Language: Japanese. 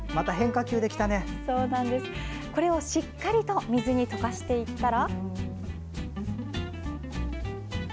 これをしっかりと水に溶かしていったら。